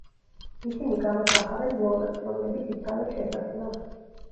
ისინი გამოსახავენ ლომებს, რომლებიც იცავენ შესასვლელს.